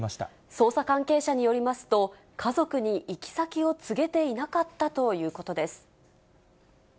捜査関係者によりますと、家族に行き先を告げていなかったということです。